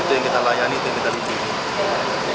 itu yang kita layani itu kita lindungi